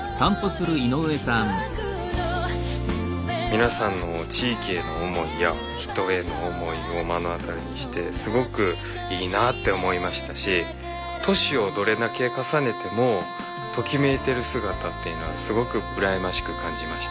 皆さんの地域への思いや人への思いを目の当たりにしてすごくいいなって思いましたし年をどれだけ重ねてもときめいてる姿っていうのはすごく羨ましく感じました。